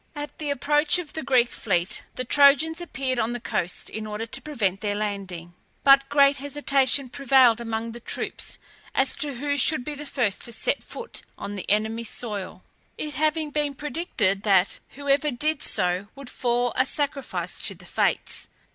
At the approach of the Greek fleet the Trojans appeared on the coast in order to prevent their landing. But great hesitation prevailed among the troops as to who should be the first to set foot on the enemy's soil, it having been predicted that whoever did so would fall a sacrifice to the Fates.